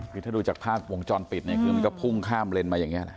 คือถ้าดูจากภาพวงจรปิดเนี่ยคือมันก็พุ่งข้ามเลนมาอย่างนี้แหละ